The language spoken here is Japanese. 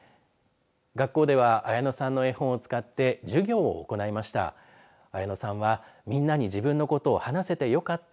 学校ではあやのさんの絵本を使って授業を行いました。